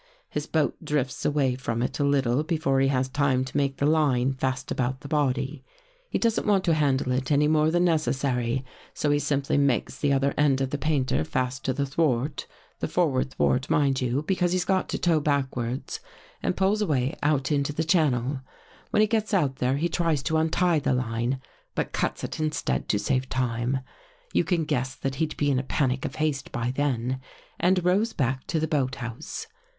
His boat drifts away from it a little before he has time to make the line fast about the body. He doesn't want to handle it 12 169 THE GHOST GIRL any more than necessary, so he simply makes the other end of the painter fast to the thwart, the for ward thwart, mind you, because he's got to tow back wards, and pulls away out into the channel. When he gets out there, he tries to untie the line, but cuts it instead to save time. You can guess that he'd be in a panic of haste by then, and rows back to the boathouse.